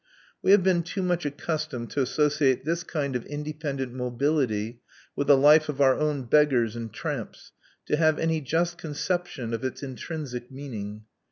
We have been too much accustomed to associate this kind of independent mobility with the life of our own beggars and tramps, to have any just conception of its intrinsic meaning.